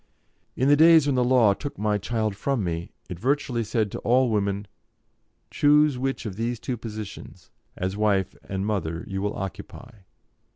In the days when the law took my child from me, it virtually said to all women: "Choose which of these two positions, as wife and mother, you will occupy.